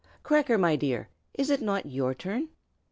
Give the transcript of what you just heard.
Cracker, my dear, is it not your turn?"